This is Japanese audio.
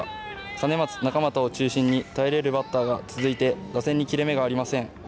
兼松、中俣を中心に頼れるバッターが続いて打線に切れ目がありません。